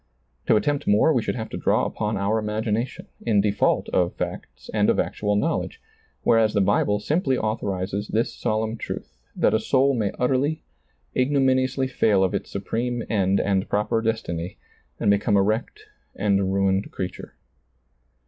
To attempt more we should have to draw upon our imagination, in default of facts and of actual knowledge, whereas the Bible simply authorizes this solemn truth, that a soul may utterly, igno miniously fail of its supreme end and proper des tiny, and become a wrecked and ruined creature.